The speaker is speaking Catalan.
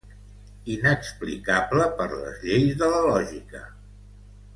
Inexplicable per les lleis de la lògica.